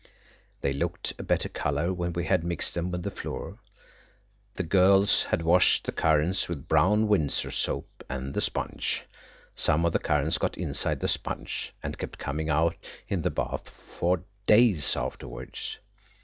They looked a better colour when we had mixed them with the flour. The girls had washed the currants with Brown Windsor soap and the sponge. Some of the currants got inside the sponge and kept coming out in the bath for days afterwards.